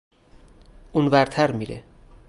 اون ورتر میره